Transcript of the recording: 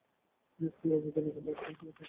তিনি স্কুলের অবৈতনিক প্রধান শিক্ষক হন।